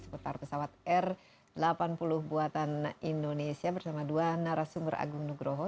seputar pesawat r delapan puluh buatan indonesia bersama dua narasumber agung nugroho